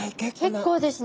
結構ですね。